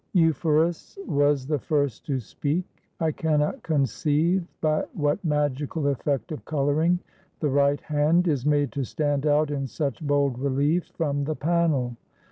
Euphorus was the first to speak. '*! cannot conceive by what magical effect of coloring the right hand is made to stand out in such bold relief from the panel.